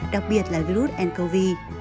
đặc biệt là virus ncov